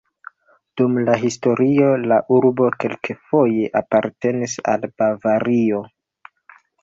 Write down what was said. Dum la historio la urbo kelkfoje apartenis al Bavario.